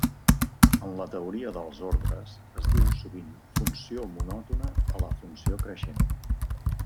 En la teoria dels ordres, es diu sovint funció monòtona a la funció creixent.